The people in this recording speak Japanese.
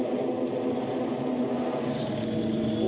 お。